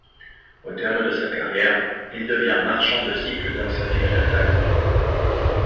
Au terme de sa carrière, il devient marchand de cycles dans sa ville natale.